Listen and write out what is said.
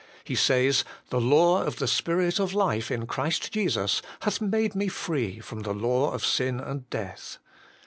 He says, ' The law of the Spirit of life in Christ Jesus hath made me free from the law of sin and death.'